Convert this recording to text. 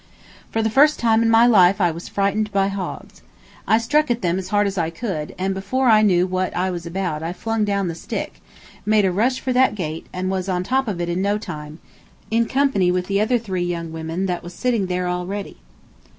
For the first time in my life I was frightened by hogs. I struck at them as hard as I could, and before I knew what I was about I flung down the stick, made a rush for that gate, and was on top of it in no time, in company with the three other young women that was sitting there already.